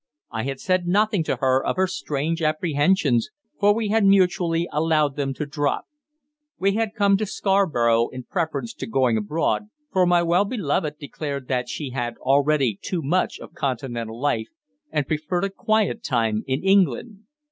I had said nothing to her of her strange apprehensions, for we had mutually allowed them to drop. We had come to Scarborough in preference to going abroad, for my well beloved declared that she had had already too much of Continental life, and preferred a quiet time in England.